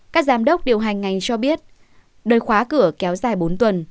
các giám đốc điều hành ngành cho biết đợt khóa cửa kéo dài bốn tuần